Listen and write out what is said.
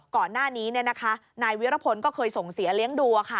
ก่อนหน้านี้นายวิรพลก็เคยส่งเสียเลี้ยงดู